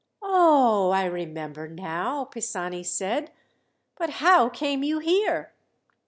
"Oh, I remember now!" Pisani said. "But how came you here?"